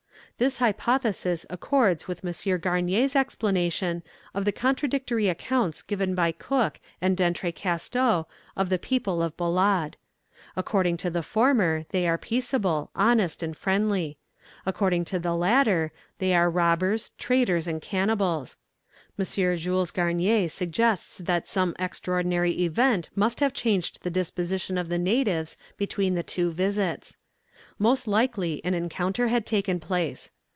This hypothesis accords with M. Garnier's explanation of the contradictory accounts given by Cook and D'Entrecasteaux of the people of Balade. According to the former, they are peaceable, honest, and friendly; according to the latter, they are robbers, traitors, and cannibals. M. Jules Garnier suggests that some extraordinary event must have changed the disposition of the natives between the two visits. Most likely an encounter had taken place.